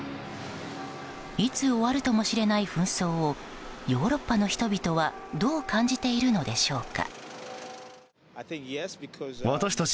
いつ終わるとも知れない紛争をヨーロッパの人々はどう感じているのでしょうか。